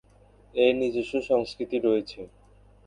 এর নিজস্ব সংস্কৃতি রয়েছে।